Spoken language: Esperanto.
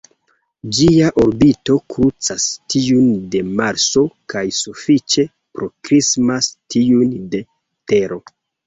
Ĝia orbito krucas tiun de Marso kaj sufiĉe proksimas tiun de Tero.